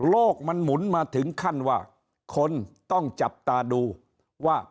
โลกมันหมุนมาถึงขั้นว่าคนต้องจับตาดูว่า